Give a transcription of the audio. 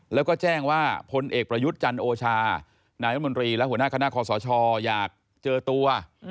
แล้วก็แจ้งว่าพลเอกประยุทธ์จันโอชานายรัฐมนตรีและหัวหน้าคณะคอสชอยากเจอตัว